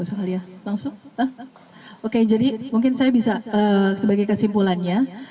untuk memastikan bahwa semua orang di indonesia bisa menikmati bola sebaiknya